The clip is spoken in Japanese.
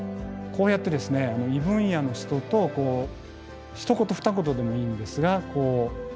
こうやってですね異分野の人とひと言ふた言でもいいんですが話をする。